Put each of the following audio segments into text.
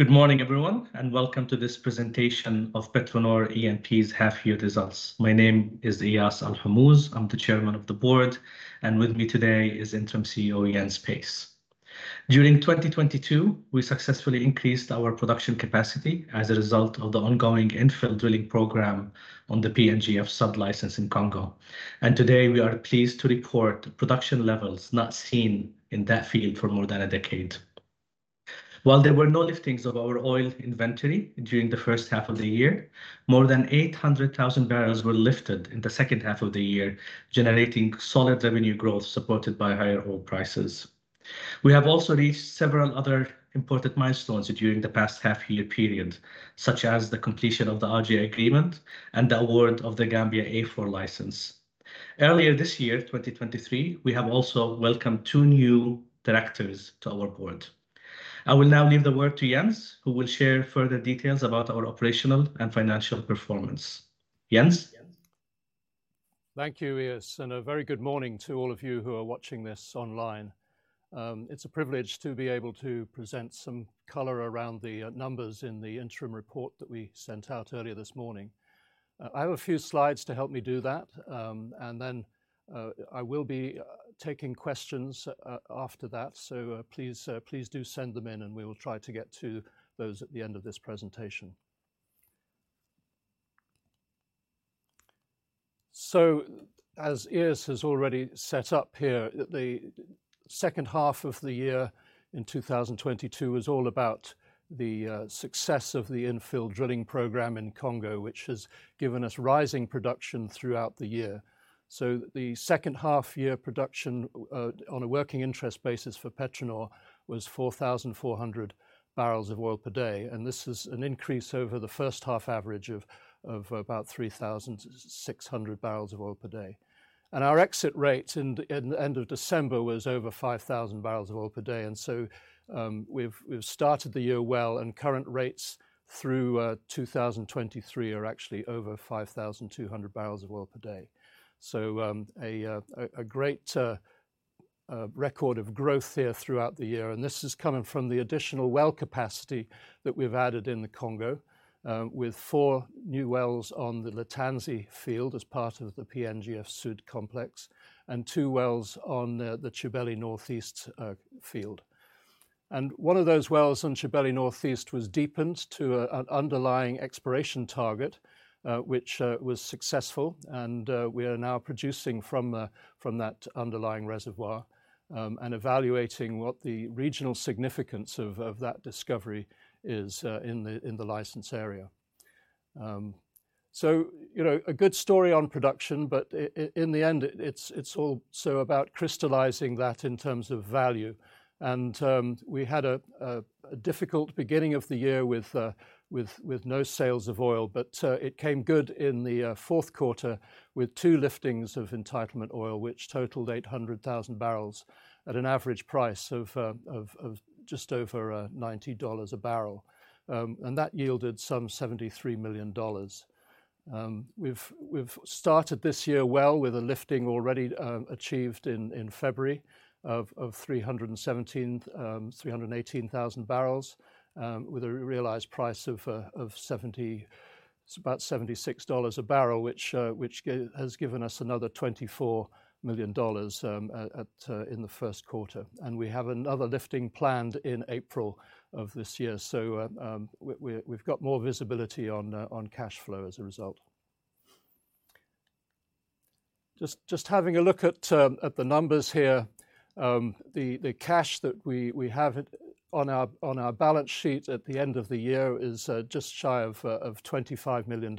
Good morning, everyone, welcome to this presentation of PetroNor E&P's half-year results. My name is Eyas Alhomouz. I'm the Chairman of the Board, with me today is Interim CEO Jens Pace. During 2022, we successfully increased our production capacity as a result of the ongoing infill drilling program on the PNGF Sud in Congo. Today we are pleased to report production levels not seen in that field for more than a decade. While there were no liftings of our oil inventory during the first half of the year, more than 800,000 bbl were lifted in the second half of the year, generating solid revenue growth supported by higher oil prices. We have also reached several other important milestones during the past half-year period, such as the completion of the Aje agreement and the award of The Gambia A4 license. Earlier this year, 2023, we have also welcomed two new directors to our board. I will now leave the word to Jens, who will share further details about our operational and financial performance. Jens? Thank you, Eyas. A very good morning to all of you who are watching this online. It's a privilege to be able to present some color around the numbers in the interim report that we sent out earlier this morning. I have a few slides to help me do that. I will be taking questions after that. Please, please do send them in, and we will try to get to those at the end of this presentation. As Eyas has already set up here, the second half of the year in 2022 was all about the success of the infill drilling program in Congo, which has given us rising production throughout the year. The second half-year production on a working interest basis for PetroNor was 4,400 bbl of oil per day, and this is an increase over the first half average of about 3,600 bbl of oil per day. Our exit rates in the end of December was over 5,000 bbl of oil per day. We've started the year well, and current rates through 2023 are actually over 5,200 bbl of oil per day. A great record of growth here throughout the year, and this is coming from the additional well capacity that we've added in the Congo, with four new wells on the Litanzi field as part of the PNGF Sud complex and two wells on the Tchibeli North East field. One of those wells on Tchibeli North East was deepened to an underlying exploration target, which was successful. We are now producing from that underlying reservoir, and evaluating what the regional significance of that discovery is in the license area. You know, a good story on production, but in the end, it's also about crystallizing that in terms of value. We had a difficult beginning of the year with no sales of oil. It came good in the fourth quarter with two liftings of entitlement oil, which totaled 800,000 bbl at an average price of just over NOK 90 a barrel. That yielded some NOK 73 million. We've started this year well with a lifting already achieved in February of 317, 318,000 bbl, with a realized price of about NOK 76 a barrel, which has given us another NOK 24 million in the first quarter. We have another lifting planned in April of this year. We've got more visibility on cash flow as a result. Just having a look at the numbers here. The cash that we have it on our balance sheet at the end of the year is just shy of NOK 25 million.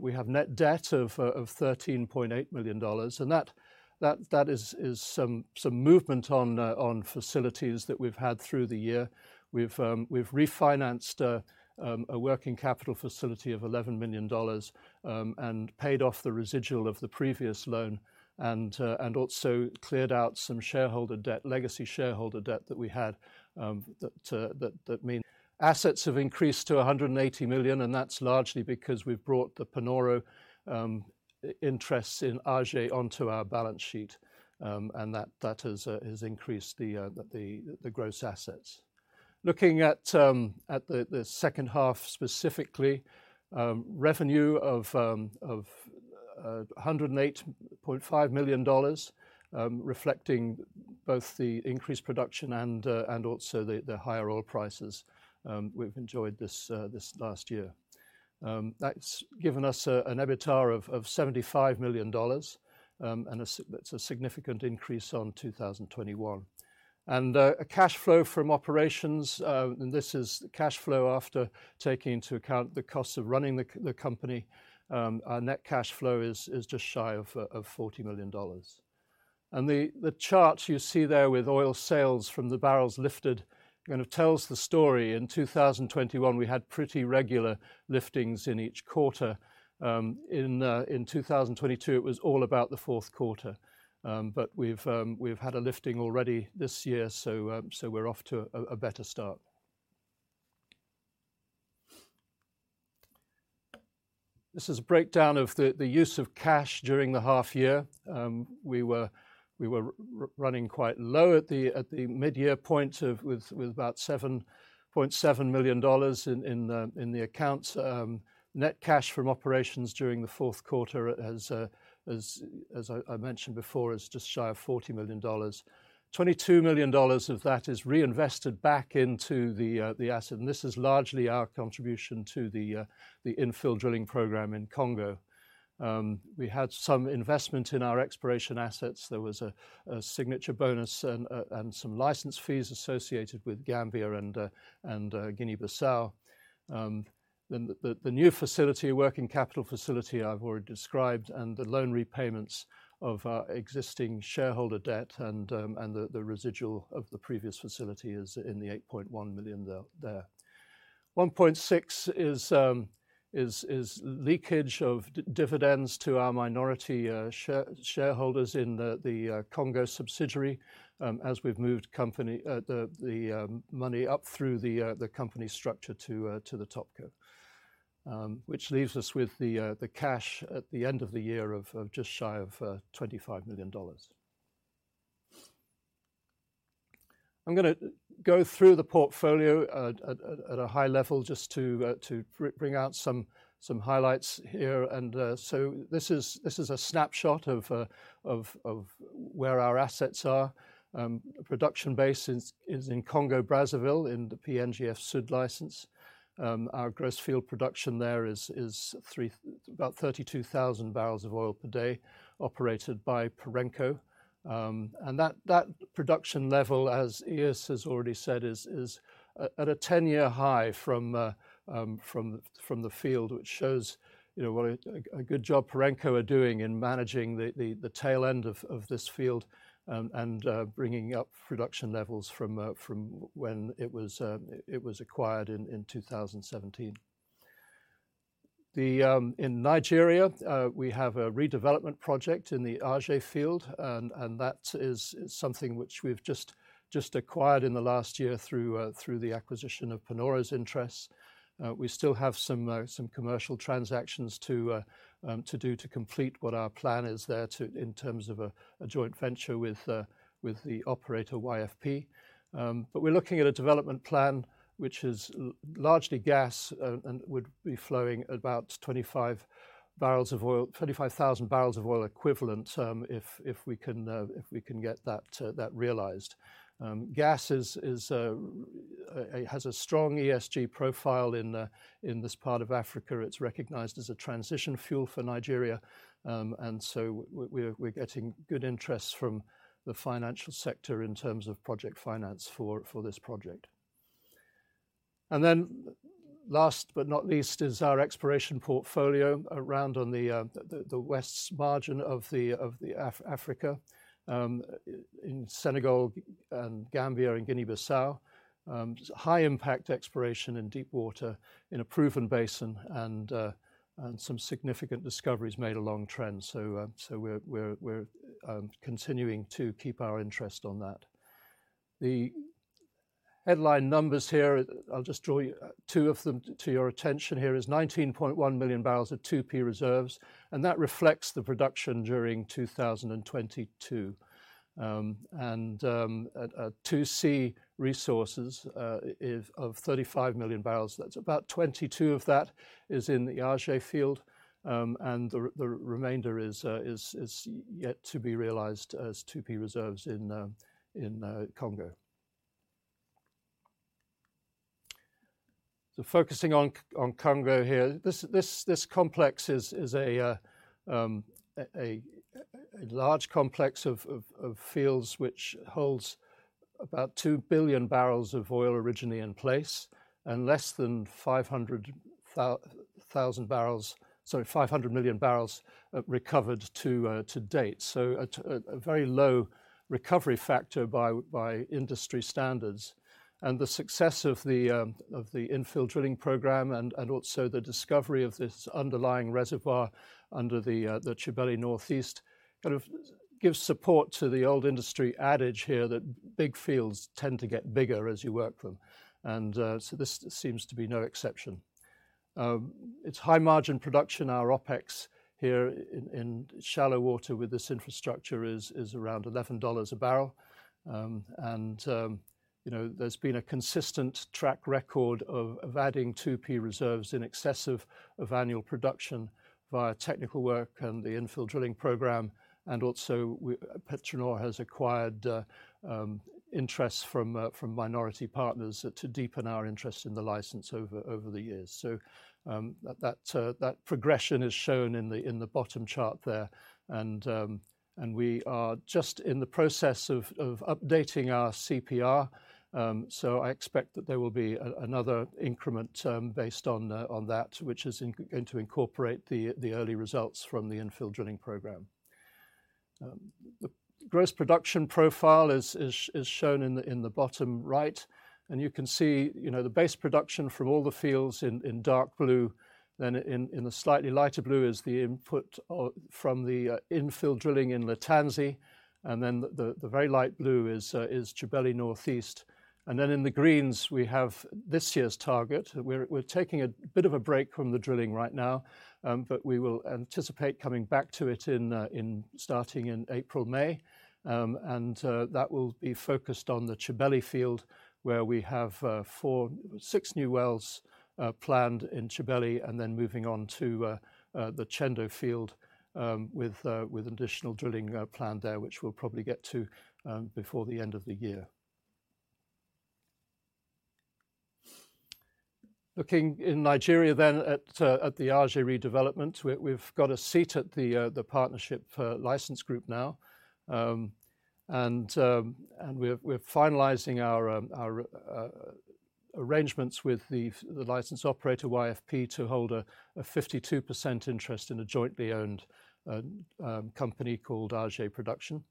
We have net debt of NOK 13.8 million, that is some movement on facilities that we've had through the year. We've refinanced a working capital facility of NOK 11 million, paid off the residual of the previous loan and also cleared out some shareholder debt, legacy shareholder debt that we had. Assets have increased to 180 million, and that's largely because we've brought the Panoro interests in Aje onto our balance sheet. That has increased the gross assets. Looking at the second half, specifically, revenue of NOK 108.5 million, reflecting both the increased production and also the higher oil prices we've enjoyed this last year. That's given us an EBITDA of NOK 75 million. That's a significant increase on 2021. A cash flow from operations, and this is cash flow after taking into account the cost of running the company. Our net cash flow is just shy of NOK 40 million. The chart you see there with oil sales from the barrels lifted kind of tells the story. In 2021, we had pretty regular liftings in each quarter. In 2022, it was all about the fourth quarter. We've had a lifting already this year, we're off to a better start. This is a breakdown of the use of cash during the half year. We were running quite low at the mid-year point with about NOK 7.7 million in the accounts. Net cash from operations during the fourth quarter has, as I mentioned before, is just shy of NOK 40 million. NOK 22 million of that is reinvested back into the asset. This is largely our contribution to the infill drilling program in Congo. We had some investment in our exploration assets. There was a signature bonus and some license fees associated with Gambia and Guinea-Bissau. The new facility, working capital facility I've already described, and the loan repayments of our existing shareholder debt and the residual of the previous facility is in the 8.1 million. 1.6 million is leakage of dividends to our minority shareholders in the Congo subsidiary, as we've moved money up through the company structure to the Topco. Which leaves us with the cash at the end of the year of just shy of NOK 25 million. I'm gonna go through the portfolio at a high level just to bring out some highlights here. This is a snapshot of where our assets are. Production base is in Congo-Brazzaville in the PNGF Sud license. Our gross field production there is about 32,000 bbl of oil per day, operated by Perenco. That production level, as Eyas Alhomouz has already said, is at a 10-year high from the field, which shows, you know, what a good job Perenco are doing in managing the tail end of this field, and bringing up production levels from when it was acquired in 2017. In Nigeria, we have a redevelopment project in the Aje field and that is something which we've just acquired in the last year through the acquisition of Panoro's interests. We still have some commercial transactions to do to complete what our plan is there to, in terms of a joint venture with the operator YFP. We're looking at a development plan which is largely gas and would be flowing at about 25 bbl of oil, 25,000 bbl of oil equivalent, if we can get that realized. Gas is, it has a strong ESG profile in this part of Africa. It's recognized as a transition fuel for Nigeria. We're getting good interest from the financial sector in terms of project finance for this project. Last but not least is our exploration portfolio around on the west's margin of the Africa, in Senegal and Gambia and Guinea-Bissau. High-impact exploration in deep water in a proven basin and some significant discoveries made along Trend. We're continuing to keep our interest on that. The headline numbers here, I'll just draw two of them to your attention here is 19.1 million bbl of 2P reserves, and that reflects the production during 2022. At 2C resources is of 35 million bbl. That's about 22 of that is in the Aje field, and the remainder is yet to be realized as 2P reserves in Congo. Focusing on Congo here. This complex is a large complex of fields which holds about 2 billion bbl of oil originally in place and less than 500 million bbl recovered to date. At a very low recovery factor by industry standards. The success of the infill drilling program and also the discovery of this underlying reservoir under the Tchibeli North East kind of gives support to the old industry adage here that big fields tend to get bigger as you work them. This seems to be no exception. It's high-margin production. Our OpEx here in shallow water with this infrastructure is around NOK 11 a barrel. You know, there's been a consistent track record of adding 2P reserves in excess of annual production via technical work and the infill drilling program. Also, PetroNor has acquired interest from minority partners to deepen our interest in the license over the years. That progression is shown in the bottom chart there. We are just in the process of updating our CPR. I expect that there will be another increment based on that which is going to incorporate the early results from the infill drilling program. The gross production profile is shown in the bottom right, you can see, you know, the base production from all the fields in dark blue. In the slightly lighter blue is the input from the infill drilling in Litanzi. The very light blue is Tchibeli North East. In the greens, we have this year's target. We're taking a bit of a break from the drilling right now. We will anticipate coming back to it in starting in April, May. That will be focused on the Tchibeli field, where we have six new wells planned in Tchibeli, and then moving on to the Tchendo field, with additional drilling planned there, which we'll probably get to before the end of the year. Looking in Nigeria at the Aje redevelopment, we've got a seat at the partnership license group now. We're finalizing our arrangements with the license operator, YFP, to hold a 52% interest in a jointly owned company called Aje Production.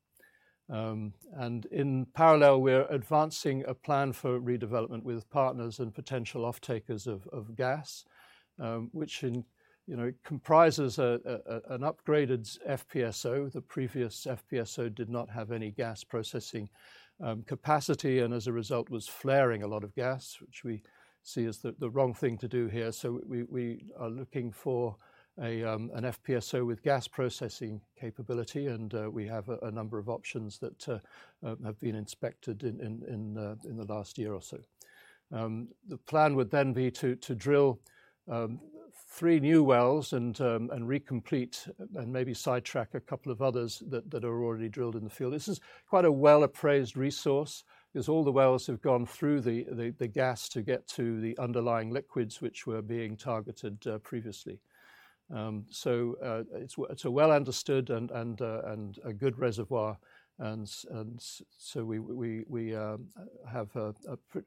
In parallel, we're advancing a plan for redevelopment with partners and potential offtakers of gas, which, you know, comprises an upgraded FPSO. The previous FPSO did not have any gas processing capacity, and as a result, was flaring a lot of gas, which we see as the wrong thing to do here. We are looking for an FPSO with gas processing capability, and we have a number of options that have been inspected in the last year or so. The plan would then be to drill three new wells and recomplete and maybe sidetrack a couple of others that are already drilled in the field. This is quite a well-appraised resource, as all the wells have gone through the gas to get to the underlying liquids which were being targeted previously. It's a well-understood and a good reservoir, so we have a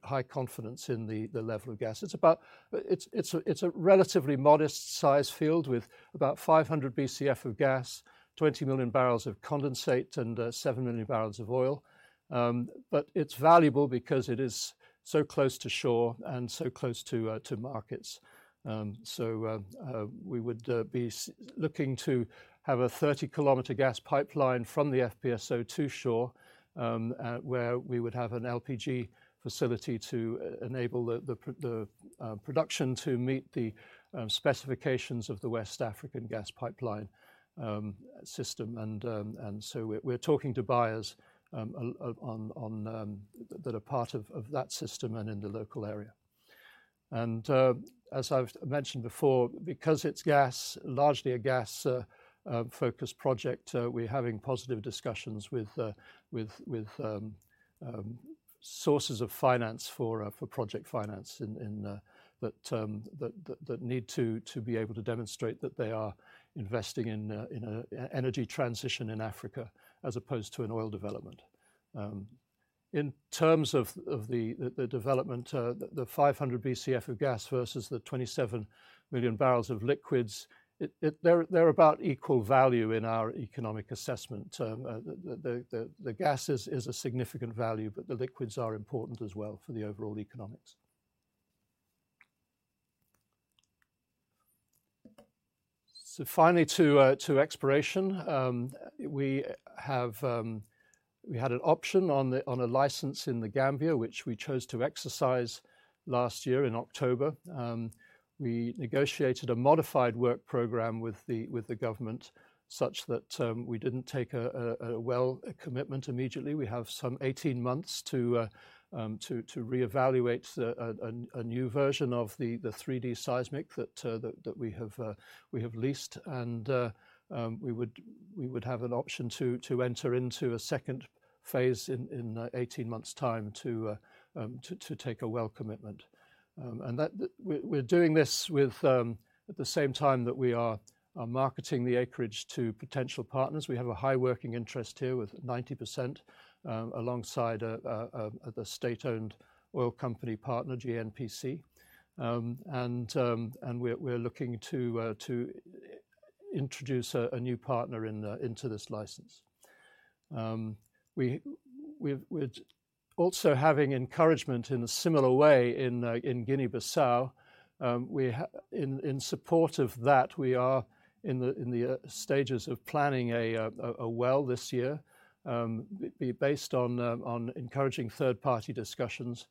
high confidence in the level of gas. It's a relatively modest size field with about 500 Bcf of gas, 20 million bbl of condensate, and 7 million bbl of oil. It's valuable because it is so close to shore and so close to markets. We would be looking to have a 30-km gas pipeline from the FPSO to shore, where we would have an LPG facility to enable the production to meet the specifications of the West African Gas Pipeline system. We're talking to buyers on that are part of that system and in the local area. As I've mentioned before, because it's gas, largely a gas-focused project, we're having positive discussions with sources of finance for project finance in that need to be able to demonstrate that they are investing in an energy transition in Africa as opposed to an oil development. In terms of the development, the 500 Bcf of gas versus the 27 million bbl of liquids, they're about equal value in our economic assessment. The gas is a significant value, but the liquids are important as well for the overall economics. Finally to exploration. We had an option on a license in The Gambia, which we chose to exercise last year in October. We negotiated a modified work program with the government such that we didn't take a well commitment immediately. We have some 18 months to reevaluate a new version of the 3D seismic that we have leased. We would have an option to enter into a second phase in 18 months' time to take a well commitment. We're doing this at the same time that we are marketing the acreage to potential partners. We have a high working interest here with 90%, alongside a state-owned oil company partner, GNPC. We're looking to introduce a new partner into this license. Also having encouragement in a similar way in Guinea-Bissau. In support of that, we are in the stages of planning a well this year, based on encouraging third-party discussions.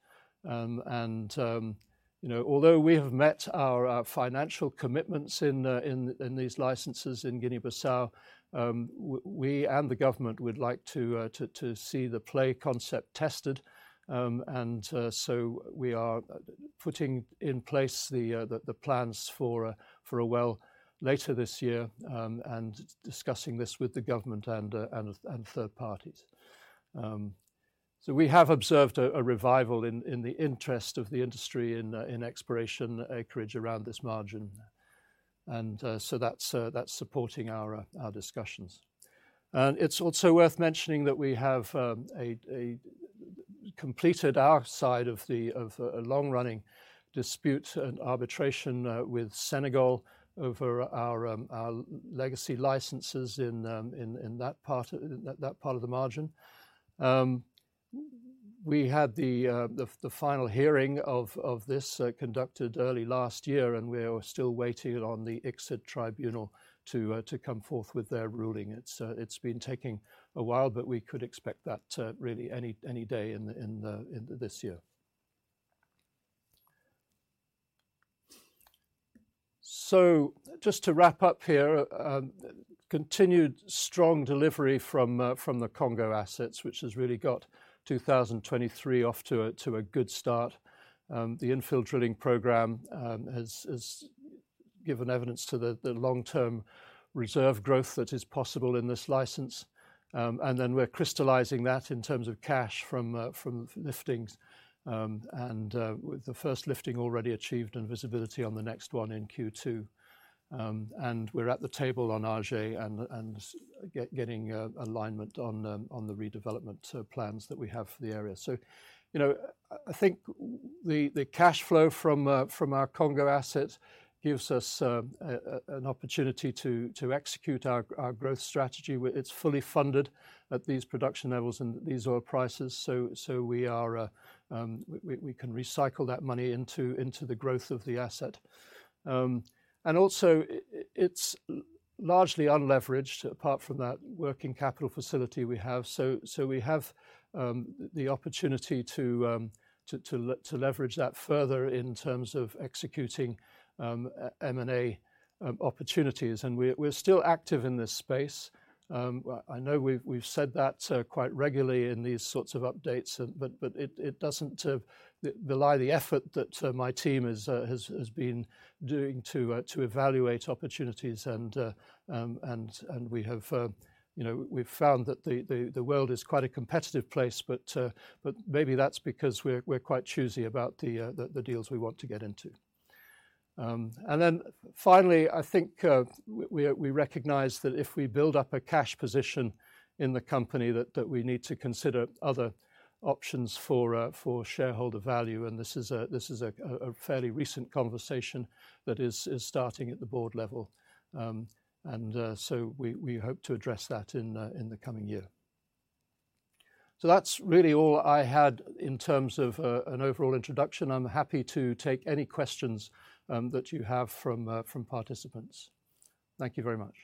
Although we have met our financial commitments in these licenses in Guinea-Bissau, we and the government would like to see the play concept tested. We are putting in place the plans for a well later this year, discussing this with the government and third parties. We have observed a revival in the interest of the industry in exploration acreage around this margin. That's supporting our discussions. It's also worth mentioning that we have completed our side of a long-running dispute and arbitration with Senegal over our legacy licenses in that part of the margin. We had the final hearing of this conducted early last year, and we are still waiting on the ICSID tribunal to come forth with their ruling. It's been taking a while, but we could expect that really any day in the this year. Just to wrap up here, continued strong delivery from the Congo assets, which has really got 2023 off to a good start. The infill drilling program has given evidence to the long-term reserve growth that is possible in this license. And then we're crystallizing that in terms of cash from liftings, and with the first lifting already achieved and visibility on the next one in Q2. We're at the table on Aje and getting alignment on the redevelopment plans that we have for the area. You know, I think the cash flow from our Congo asset gives us an opportunity to execute our growth strategy. It's fully funded at these production levels and these oil prices, so we can recycle that money into the growth of the asset. Also it's largely unleveraged apart from that working capital facility we have. We have the opportunity to leverage that further in terms of executing M&A opportunities. We're still active in this space. I know we've said that quite regularly in these sorts of updates, but it doesn't belie the effort that my team has been doing to evaluate opportunities and we have, you know, we've found that the world is quite a competitive place. Maybe that's because we're quite choosy about the deals we want to get into. Finally, I think we recognize that if we build up a cash position in the company that we need to consider other options for shareholder value. This is a fairly recent conversation that is starting at the board level. We, we hope to address that in the coming year. That's really all I had in terms of an overall introduction. I'm happy to take any questions that you have from participants. Thank you very much.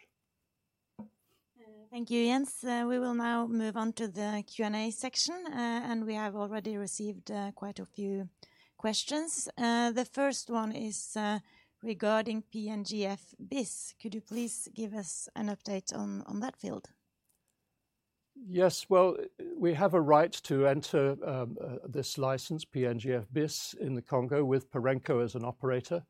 Thank you, Jens. We will now move on to the Q&A section, and we have already received quite a few questions. The first one is regarding PNGF-Bis. Could you please give us an update on that field? Yes. Well, we have a right to enter this license, PNGF-Bis, in the Congo with Perenco as an operator.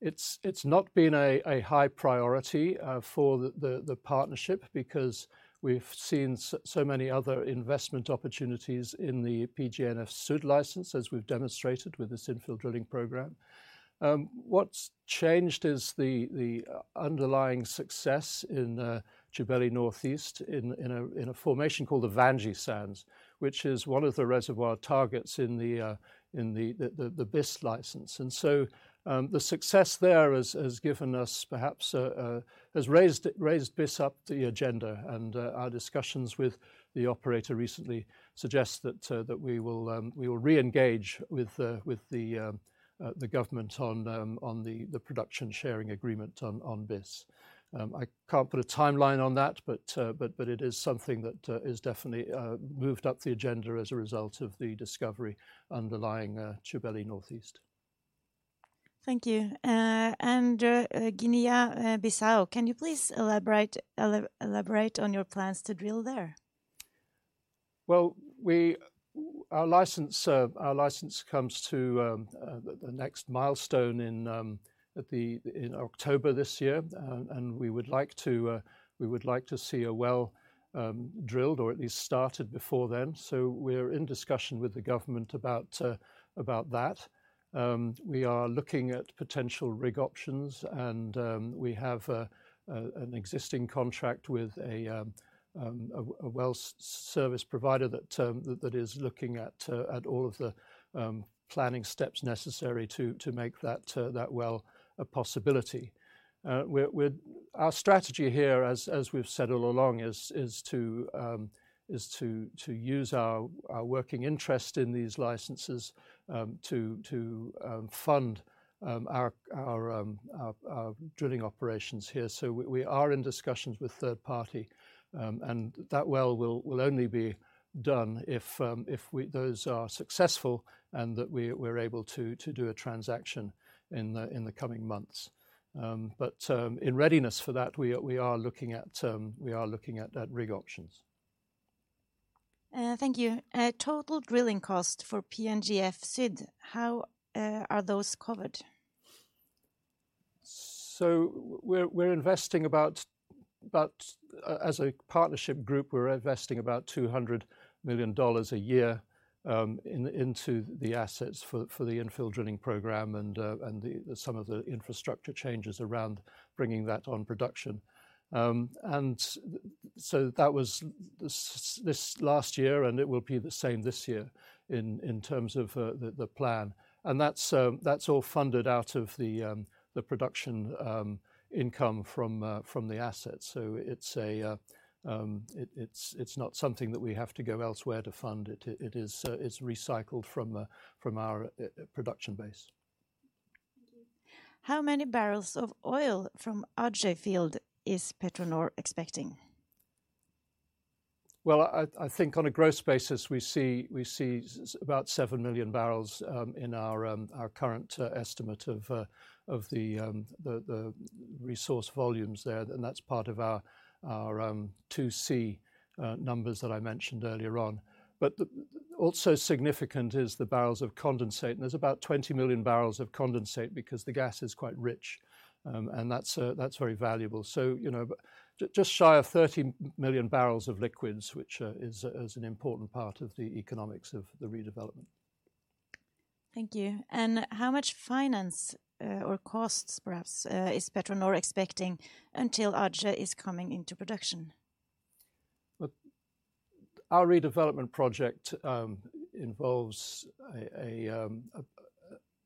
It's not been a high priority for the partnership because we've seen so many other investment opportunities in the PNGF Sud license, as we've demonstrated with this infill drilling program. What's changed is the underlying success in Tchibeli North East in a formation called the Vandji Sands, which is one of the reservoir targets in the Bis license. The success there has given us perhaps has raised Bis up the agenda. Our discussions with the operator recently suggest that we will re-engage with the government on the production sharing agreement on Bis. I can't put a timeline on that, but it is something that is definitely moved up the agenda as a result of the discovery underlying Tchibeli North East. Thank you. Guinea-Bissau, can you please elaborate on your plans to drill there? Well, our license comes to the next milestone in October this year. We would like to see a well drilled or at least started before then. We're in discussion with the government about that. We are looking at potential rig options, and we have an existing contract with a well service provider that is looking at all of the planning steps necessary to make that well a possibility. Our strategy here as we've said all along is to use our working interest in these licenses to fund our drilling operations here. we are in discussions with third party, and that well will only be done if those are successful and that we're able to do a transaction in the, in the coming months. In readiness for that, we are looking at rig options. Thank you. Total drilling cost for PNGF Sud, how are those covered? As a partnership group, we're investing about NOK 200 million a year into the assets for the infill drilling program and the some of the infrastructure changes around bringing that on production. That was this last year, and it will be the same this year in terms of the plan. That's all funded out of the production income from the assets. It's not something that we have to go elsewhere to fund. It is recycled from our production base. Thank you. How many barrels of oil from Aje field is PetroNor expecting? Well, I think on a gross basis we see about 7 million bbl in our current estimate of the resource volumes there, and that's part of our 2C numbers that I mentioned earlier on. Also significant is the barrels of condensate, and there's about 20 million bbl of condensate because the gas is quite rich, and that's very valuable. You know, just shy of 30 million bbl of liquids which is an important part of the economics of the redevelopment. Thank you. How much finance, or costs perhaps, is PetroNor expecting until Aje is coming into production? Well, our redevelopment project involves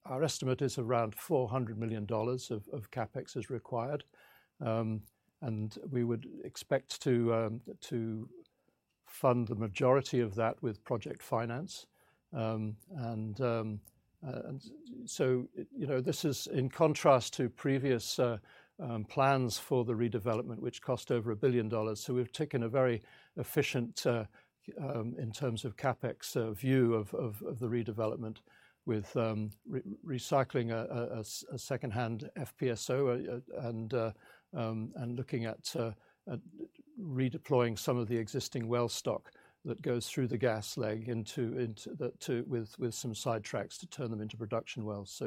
our estimate is around NOK 400 million of CapEx is required. We would expect to fund the majority of that with project finance. You know, this is in contrast to previous plans for the redevelopment which cost over NOK 1 billion. We've taken a very efficient in terms of CapEx view of the redevelopment with recycling a secondhand FPSO and looking at redeploying some of the existing well stock that goes through the gas leg into the, with some sidetracks to turn them into production wells.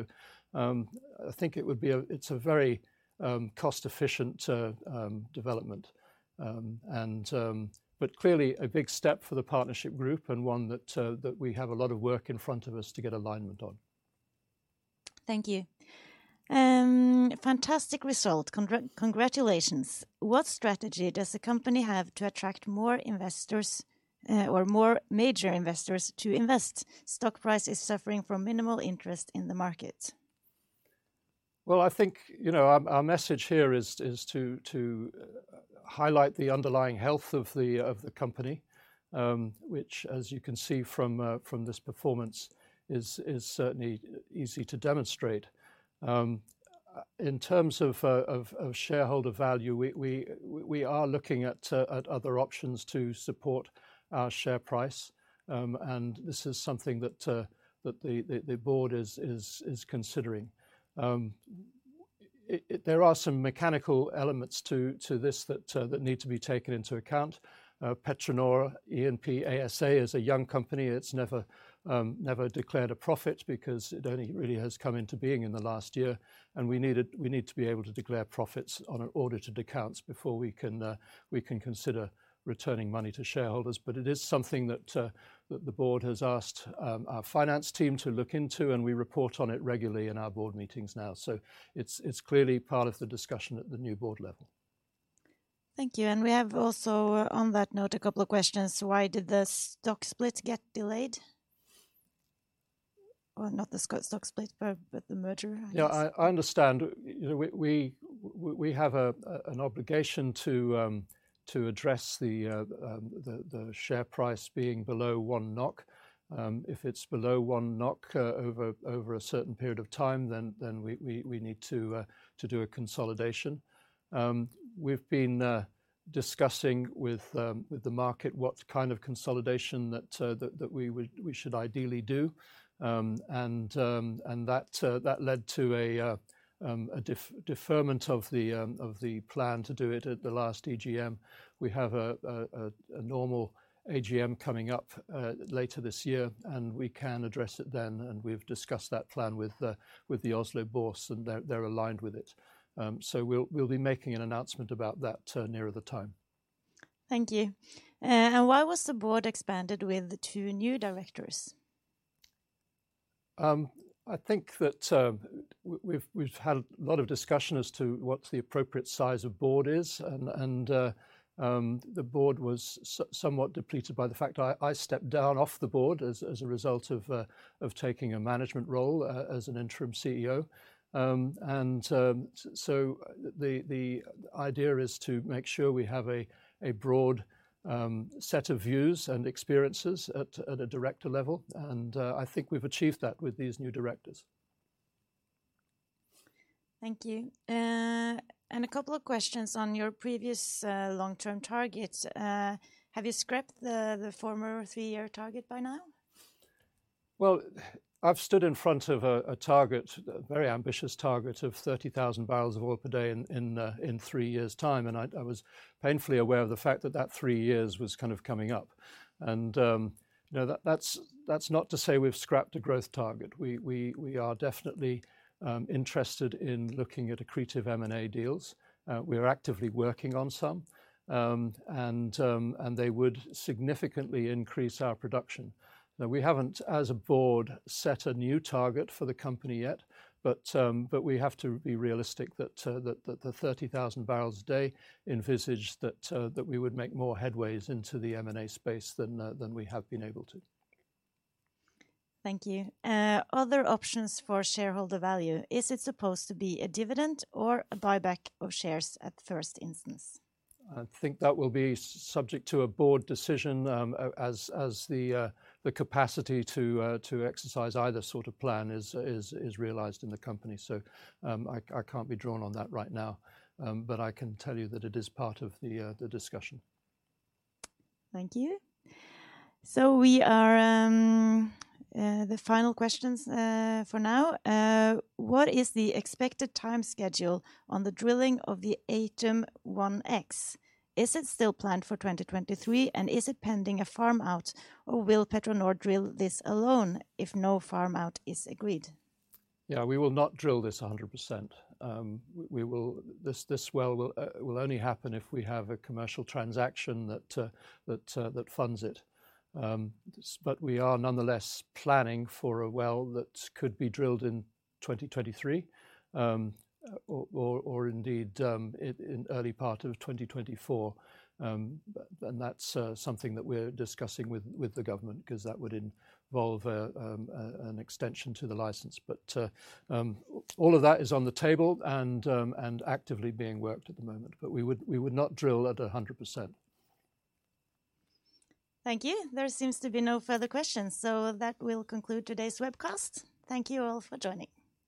I think it's a very cost-efficient development. Clearly a big step for the partnership group and one that we have a lot of work in front of us to get alignment on. Thank you. Fantastic result. Congratulations. What strategy does the company have to attract more investors, or more major investors to invest? Stock price is suffering from minimal interest in the market. Well, I think, you know, our message here is to highlight the underlying health of the company, which as you can see from this performance is certainly easy to demonstrate. In terms of shareholder value, we are looking at other options to support our share price. This is something that the board is considering. There are some mechanical elements to this that need to be taken into account. PetroNor E&P ASA is a young company. It's never declared a profit because it only really has come into being in the last year. We need to be able to declare profits on an audited accounts before we can consider returning money to shareholders. It is something that the board has asked our finance team to look into, and we report on it regularly in our board meetings now. It's clearly part of the discussion at the new board level. Thank you. We have also on that note a couple of questions. Why did the stock split get delayed? Not the stock split but the merger, I guess. Yeah. I understand. You know, we have an obligation to address the share price being below 1 NOK. If it's below 1 NOK over a certain period of time, then we need to do a consolidation. We've been discussing with the market what kind of consolidation that we should ideally do. That led to a deferment of the plan to do it at the last EGM. We have a normal AGM coming up later this year, and we can address it then, and we've discussed that plan with the Oslo Børs, and they're aligned with it. We'll be making an announcement about that nearer the time. Thank you. Why was the board expanded with the two new directors? I think that we've had a lot of discussion as to what the appropriate size of board is and the board was somewhat depleted by the fact I stepped down off the board as a result of taking a management role as an interim CEO. The idea is to make sure we have a broad set of views and experiences at a director level, and I think we've achieved that with these new directors. Thank you. A couple of questions on your previous long-term targets. Have you scrapped the former three-year target by now? I've stood in front of a target, a very ambitious target of 30,000 bbl of oil per day in three years' time, and I was painfully aware of the fact that three years was kind of coming up. You know, that's not to say we've scrapped a growth target. We are definitely interested in looking at accretive M&A deals. We are actively working on some. They would significantly increase our production. We haven't as a board set a new target for the company yet, but we have to be realistic that the 30,000 bbl a day envisage that we would make more headways into the M&A space than we have been able to. Thank you. Other options for shareholder value, is it supposed to be a dividend or a buyback of shares at first instance? I think that will be subject to a board decision, as the capacity to exercise either sort of plan is realized in the company. I can't be drawn on that right now. I can tell you that it is part of the discussion. Thank you. We are the final questions for now. What is the expected time schedule on the drilling of the Atum-1X? Is it still planned for 2023, and is it pending a farm out or will PetroNor drill this alone if no farm out is agreed? Yeah, we will not drill this 100%. This well will only happen if we have a commercial transaction that that funds it. We are nonetheless planning for a well that could be drilled in 2023, or indeed in early part of 2024. That's something that we're discussing with the government because that would involve an extension to the license. All of that is on the table and actively being worked at the moment. We would not drill at 100%. Thank you. There seems to be no further questions. That will conclude today's webcast. Thank you all for joining.